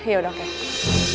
ya udah oke